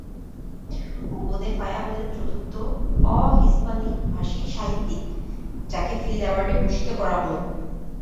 Bonnefoy হলেন চতুর্থ অ-হিস্পানিভাষী সাহিত্যিক, যাঁকে ফিল অ্যাওয়ার্ডে ভূষিত করা হলো।